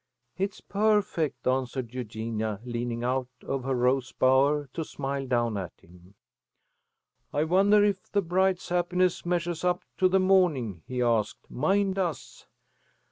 "It's perfect," answered Eugenia, leaning out of her rose bower to smile down at him. "I wonder if the bride's happiness measures up to the morning," he asked. "Mine does."